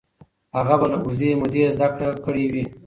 هغه به له اوږدې مودې زده کړه کړې وي.